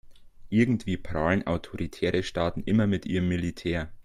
Irgendwie prahlen autoritäre Staaten immer mit ihrem Militär.